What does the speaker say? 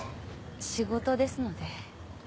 仕事ですので。